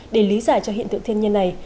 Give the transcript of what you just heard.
để lý giải cho hiện tượng thiên nhiên này